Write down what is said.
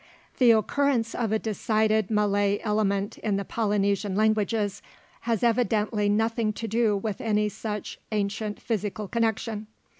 The occurrence of a decided Malay element in the Polynesian languages, has evidently nothing to do with any such ancient physical connexion.